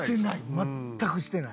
全くしてない。